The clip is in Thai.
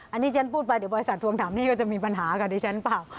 อันนี้ฉันพูดไปเดี๋ยวบริษัททวงถามหนี้ก็จะมีปัญหากับดิฉันเปล่า